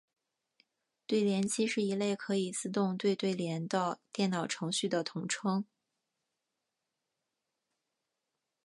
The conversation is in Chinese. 对联机是一类可以自动对对联的电脑程序的统称。